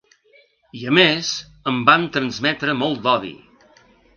I, a més, em van transmetre molt d’odi.